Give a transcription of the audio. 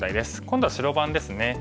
今度は白番ですね。